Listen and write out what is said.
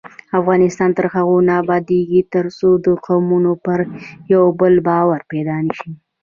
افغانستان تر هغو نه ابادیږي، ترڅو د قومونو پر یو بل باور پیدا نشي.